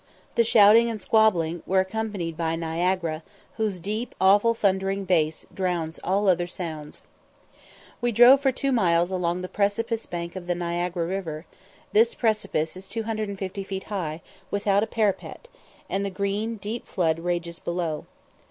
The shouting and squabbling were accompanied by Niagara, whose deep awful thundering bass drowns all other sounds. We drove for two miles along the precipice bank of the Niagara river: this precipice is 250 feet high, without a parapet, and the green, deep flood rages below.